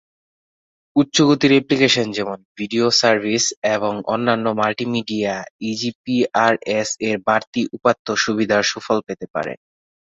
উচ্চগতির application যেমন video service এবং অন্যান্য মাল্টিমিডিয়া ইজিপিআরএস-এর বাড়তি উপাত্ত সুবিধার সুফল পেতে পারে।